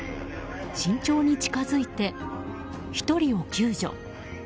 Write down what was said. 慎重に近づいて１人を救助。